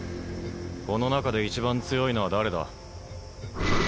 この中で一番強いのは誰だ？